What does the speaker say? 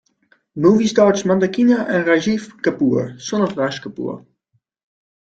The movie stars Mandakini and Rajiv Kapoor, son of Raj Kapoor.